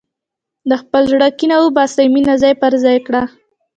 د خپل زړه کینه وباسه، مینه ځای پر ځای کړه.